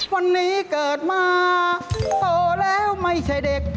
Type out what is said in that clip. วันนี้เกิดมาโตแล้วไม่ใช่เด็ก